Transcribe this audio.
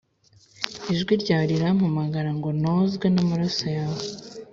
Ijwi ryawe rirampamagara ngo nozwe n’amaraso yawe